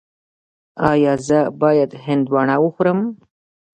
ایا زه باید هندواڼه وخورم؟